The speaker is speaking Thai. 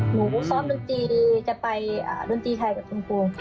หนูซ่อมดนตรีจะไปดนตรีไทยกับจุงภูมิ